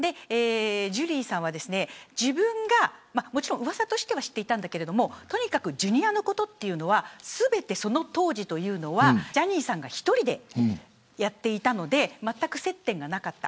ジュリーさんは自分がもちろん、うわさとしては知っていたけどとにかくジュニアのことというのは全て、その当時はジャニーさんが１人でやっていたのでまったく接点がなかった。